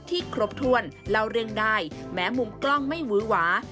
ครบถ้วนเล่าเรื่องได้แม้มุมกล้องไม่วื้อหวา